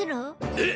えっ！